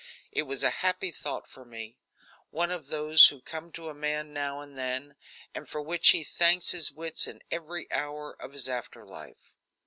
It was a happy thought for me; one of those which come to a man now and then, and for which he thanks his wits in every hour of his after life.